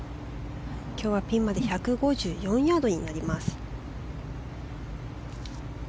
今日はピンまで１５４ヤードです。